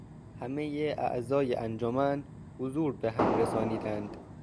همهٔ اعضای انجمن حضور بهم رسانیدند.